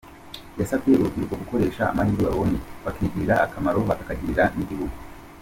Yasabye urubyiruko gukoresha amahirwe babonye, bakigirira akamaro, bakakagirira n’igihugu.